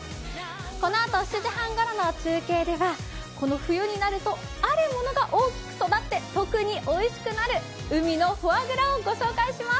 このあと７時半ごろの中継では、この冬になるとあるものが大きく育って、特においしくなる海のフォアグラをご紹介します。